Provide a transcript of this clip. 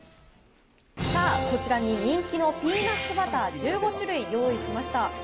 さあ、こちらに人気のピーナッツバター１５種類用意しました。